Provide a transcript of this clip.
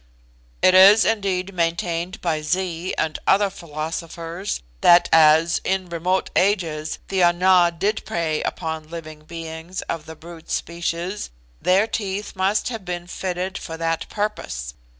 "It is, indeed, maintained by Zee and other philosophers, that as, in remote ages, the Ana did prey upon living beings of the brute species, their teeth must have been fitted for that purpose.